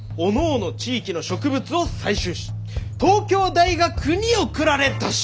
地域の植物を採集し東京大学に送られたし！」。